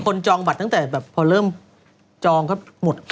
จองบัตรตั้งแต่แบบพอเริ่มจองก็หมด